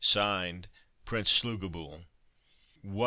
(Signed), PRINCE SLUGOBYL." "What!"